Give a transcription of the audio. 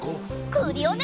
クリオネ！